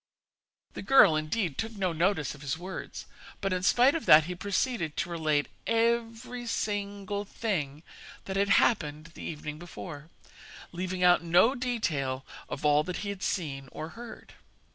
The girl, indeed, took no notice of his words, but in spite of that he proceeded to relate every single thing that had happened the evening before, leaving out no detail of all that he had seen or heard.